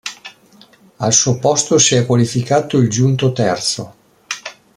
Al suo posto si è qualificato il giunto terzo.